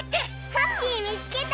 ハッピーみつけた！